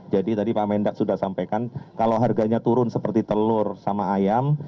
jadi tadi pak mendak sudah sampaikan kalau harganya turun seperti telur sama ayam